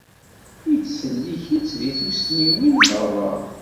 Yettsellik-itt deg tussniwin merra.